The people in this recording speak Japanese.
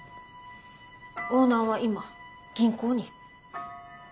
オーナーは今銀行に。